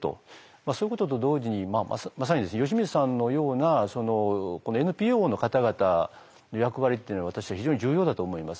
そういうことと同時にまさに吉水さんのようなＮＰＯの方々の役割っていうのは私は非常に重要だと思います。